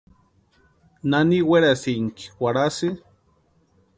¿Nani werasïnki warhasï?